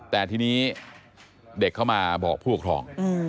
แต่ทีนี้เด็กเข้ามาบอกผู้ปกครอง